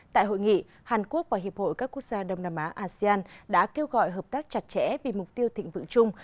tại hội nghị hàn quốc và hiệp hội các quốc gia đông nam á asean đã kêu gọi hợp tác chặt chẽ vì mục tiêu thịnh vượng chung